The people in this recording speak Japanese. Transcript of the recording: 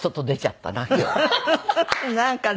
なんかね。